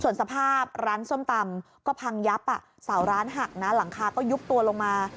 ส่วนสภาพร้านส้มตำก็พังยับเสาร้านหักนะหลังคาก็ยุบตัวลงมา